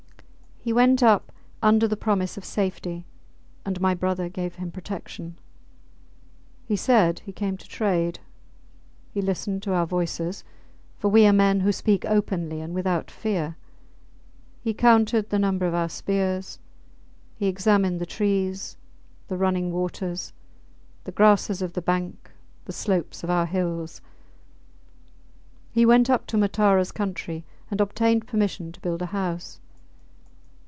He went up under the promise of safety, and my brother gave him protection. He said he came to trade. He listened to our voices, for we are men who speak openly and without fear; he counted the number of our spears, he examined the trees, the running waters, the grasses of the bank, the slopes of our hills. He went up to Mataras country and obtained permission to build a house.